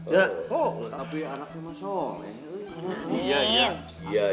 tapi anaknya mah soleh